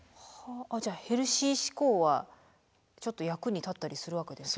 じゃあヘルシー志向はちょっと役に立ったりするわけですね。